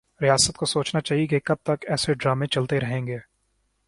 ریاست کو سوچنا چاہیے کہ کب تک ایسے ڈرامے چلتے رہیں گے